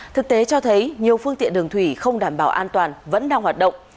thực tế cho thấy nhiều phương tiện đường thủy không đảm bảo an toàn vẫn đang hoạt động